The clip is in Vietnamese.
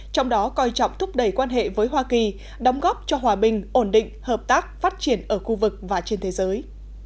trong đó coi trọng thúc đẩy quan hệ với hoa kỳ đóng góp cho hòa bình ổn định hợp tác phát triển ở khu vực và trên thế giới